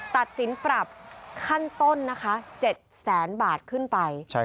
ตัดสินปรับขั้นต้นนะคะ๗แสนบาทขึ้นไป